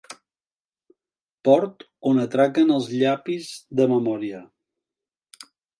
Port on atraquen els llapis de memòria.